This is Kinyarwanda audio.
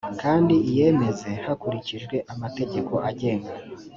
kandi iyemeze hakurikijwe amategeko agenga